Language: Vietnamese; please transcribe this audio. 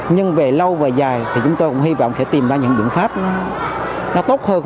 nhưng về lâu và dài thì chúng tôi cũng hy vọng sẽ tìm ra những biện pháp nó tốt hơn